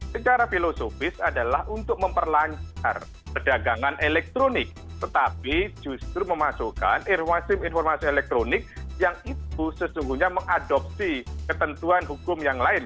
secara filosofis adalah untuk memperlancar perdagangan elektronik tetapi justru memasukkan informasi informasi elektronik yang itu sesungguhnya mengadopsi ketentuan hukum yang lain